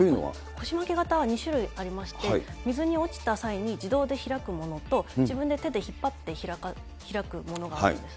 腰巻き型は２種類ありまして、水に落ちた際に自動で開くものと、自分で手で引っ張って開くものがあるんです。